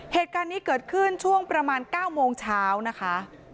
เหตุการณ์นี้เกิดขึ้นช่วงประมาณ๙โมงเช้านะคะ